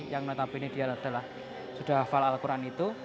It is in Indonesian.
yang notabene dia adalah sudah hafal al quran itu